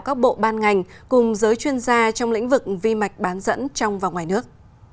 các bộ ban ngành cùng giới chuyên gia trong lĩnh vực vi mạch bán dẫn trong và ngoài nước